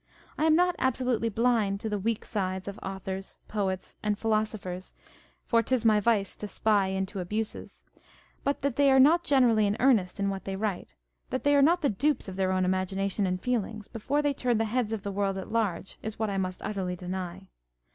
I am not absolutely blind to the weak sides of authors, poets, and philosophers 520 On the Jealousy and the Spleen of Party. (for "'tis my vice to spy into abuses"), but that they are not generally in earnest in what they write, that they are not the dupes of their own imaginations and feelings, before they turn the heads of the world at large, is what I must utterly deny.